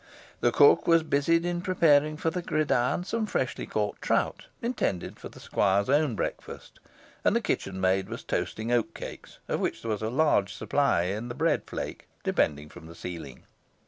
The cook was busied in preparing for the gridiron some freshly caught trout, intended for the squire's own breakfast; and a kitchen maid was toasting oatcakes, of which there was a large supply in the bread flake depending from the ceiling.